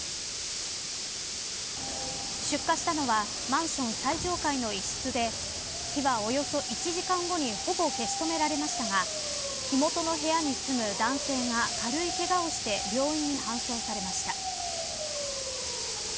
出火したのはマンション最上階の一室で火はおよそ１時間後にほぼ消し止められましたが火元の部屋に住む男性が軽いけがをして病院に搬送されました。